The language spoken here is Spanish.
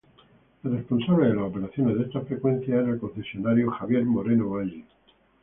El responsable de las operaciones de esta frecuencia era el concesionario Javier Moreno Valle.